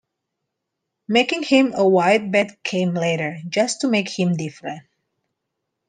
Making him a white bat came later - just to make him different.